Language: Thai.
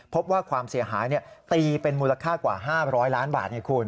พบว่าความเสียหายตีเป็นมูลค่ากว่า๕๐๐ล้านบาทให้คุณ